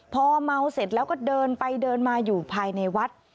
พอเมาเสร็จแล้วก็เดินไปเดินมาอยู่ภายในวัด